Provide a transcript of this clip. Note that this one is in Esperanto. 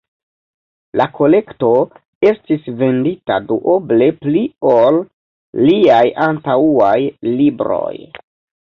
La kolekto estis vendita duoble pli ol liaj antaŭaj libroj.